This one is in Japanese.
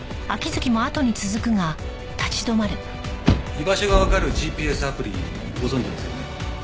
居場所がわかるＧＰＳアプリご存じですよね？